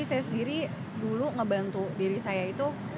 saya sendiri dulu ngebantu diri saya itu